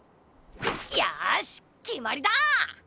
よしきまりだ！